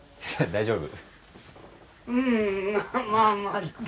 大丈夫？